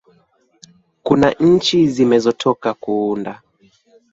kuna nchi zimezotoka kuunda